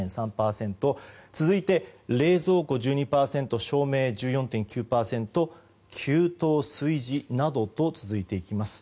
続いて、冷蔵庫１２％照明、１４．９％給湯、炊事などと続いていきます。